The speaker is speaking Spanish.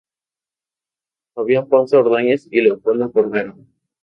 Fabián Ponce Ordóñez y Leopoldo Cordero.